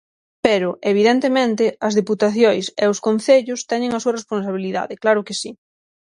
Pero, evidentemente, as deputacións e os concellos teñen a súa responsabilidade, claro que si.